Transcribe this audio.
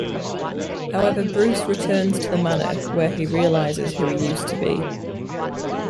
However, Bruce returns to the manor when he realizes who he used to be.